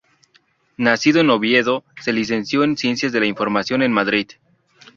Nacido en Oviedo, se licenció en ciencias de la información en Madrid.